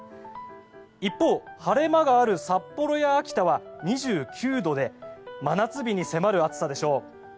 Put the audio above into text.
一方、晴れ間がある札幌や秋田は２９度で真夏日に迫る暑さでしょう。